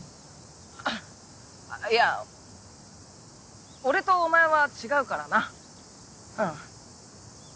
あっいや俺とお前は違うからなうん。